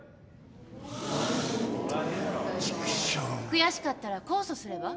悔しかったら控訴すれば？